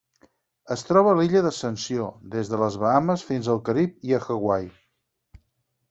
Es troba a l'Illa Ascensió, des de les Bahames fins al Carib i a Hawaii.